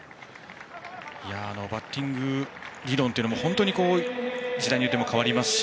バッティング理論も本当に時代によっても変わりますし。